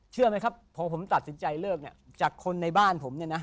เชื่อไหมครับพอผมตัดสินใจเลิกเนี่ยจากคนในบ้านผมเนี่ยนะ